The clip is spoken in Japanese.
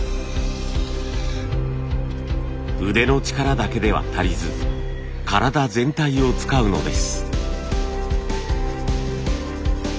腕の力だけでは足りず体全体を使うのです。